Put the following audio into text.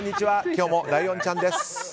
今日もライオンちゃんです。